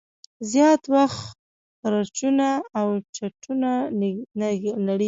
زیات وخت برجونه او چتونه نړیږي.